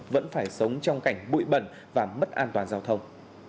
vẫn phải sống trong cảnh bụi bẩn và mất an toàn giao thông